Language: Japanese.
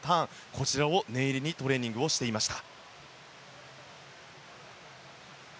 こちらを念入りにトレーニングをしていました。